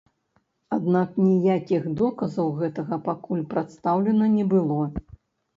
Аднак ніякіх доказаў гэтага пакуль прадстаўлена не было.